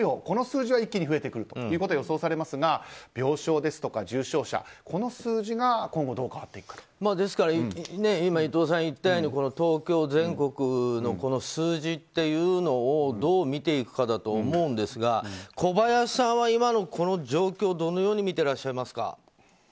この数字は一気に増えてくるということは予想されますが病床ですとか重症者この数字が今後ですから今、伊藤さんが言ったように東京、全国の数字というのをどう見ていくかだと思うんですが小林さんは今のこの状況どのように見ていらっしゃいますか。